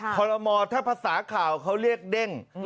คอลโมถ้าภาษาข่าวเขาเรียกเด้ง